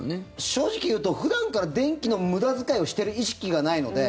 正直言うと普段から電気の無駄遣いをしている意識がないので。